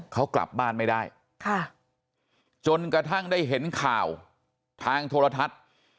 เขากลับบ้านไม่ได้ค่ะจนกระทั่งได้เห็นข่าวทางโทรทัศน์